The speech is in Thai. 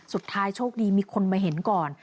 สุดท้ายโชคดีมีคนมาเห็นก่อน